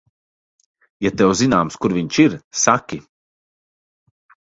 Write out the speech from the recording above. Ja tev zināms, kur viņš ir, saki.